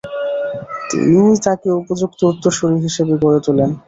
তিনি তাঁকে উপযুক্ত উত্তরসূরি হিসাবে গড়ে তোলেন।